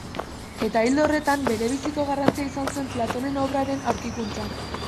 Eta ildo horretan, berebiziko garrantzia izan zuen Platonen obraren aurkikuntzak.